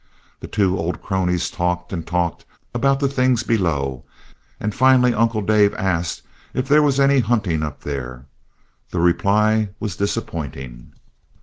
The two old cronies talked and talked about the things below, and finally Uncle Dave asked if there was any hunting up there. The reply was disappointing.